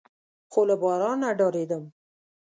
خو له بارانه ډارېدم.